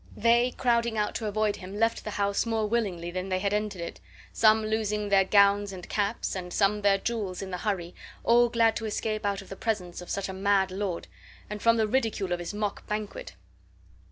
They, crowding out to avoid him, left the house more willingly than they had entered it; some losing their gowns and caps, and some their jewels in the hurry, all glad to escape out of the presence of such a mad lord, and from the ridicule of his mock banquet.